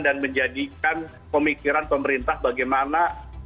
dan menjadikan pemikiran pemerintah bagaimana